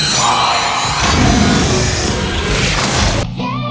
warnanya lebih banyak